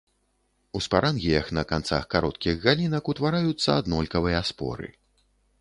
У спарангіях на канцах кароткіх галінак утвараюцца аднолькавыя споры.